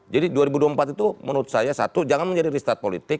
jadi dua ribu dua puluh empat itu menurut saya satu jangan menjadi restart politik